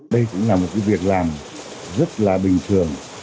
đây cũng là một việc làm rất là bình thường